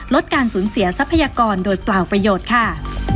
ลดการสูญเสียทรัพยากรโดยเปล่าประโยชน์ค่ะ